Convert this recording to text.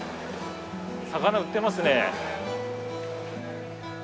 魚売ってますね。